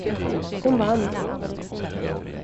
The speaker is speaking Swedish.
Hon vann.